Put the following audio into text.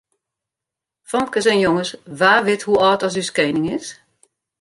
Famkes en jonges, wa wit hoe âld as ús kening is?